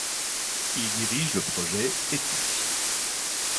Il y dirige le Projet Éthique.